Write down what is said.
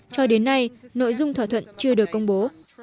cho đến nay nội dung thỏa thuận chưa được công bố